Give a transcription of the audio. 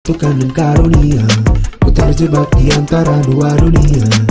tukang dan karunia putar jebak diantara dua dunia